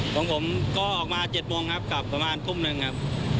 ของผมก็ออกมา๗โมงครับกลับประมาณทุ่มหนึ่งครับ